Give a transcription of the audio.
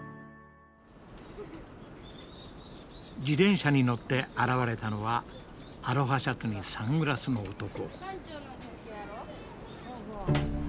自転車に乗って現れたのはアロハシャツにサングラスの男。